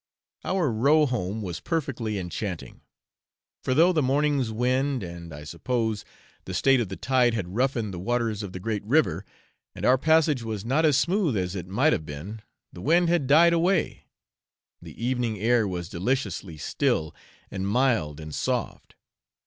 Our row home was perfectly enchanting; for though the morning's wind and (I suppose) the state of the tide had roughened the waters of the great river, and our passage was not as smooth as it might have been, the wind had died away, the evening air was deliciously still, and mild, and soft.